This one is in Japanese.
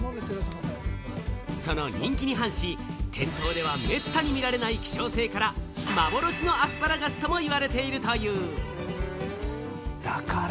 その人気に反し、店頭ではめったに見られない希少性から幻のアスパラガスとも言われているという。